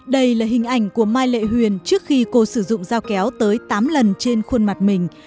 đây là hình ảnh của mai lệ huyền trước khi cô sử dụng dao kéo tới tám lần trên khuôn mặt mình